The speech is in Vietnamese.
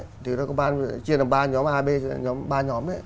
chia thành ba nhóm ab ba nhóm ấy